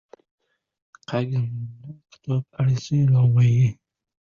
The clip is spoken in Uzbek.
Dilingizda hayron bo‘lyapsiz: “Huzur-halovatning yaxshi jihati qaysi, yomon jihati qaysi?” deb.